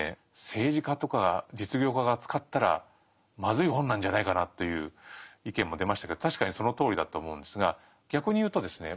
「政治家とか実業家が使ったらまずい本なんじゃないかな？」という意見も出ましたけど確かにそのとおりだと思うんですが逆に言うとですね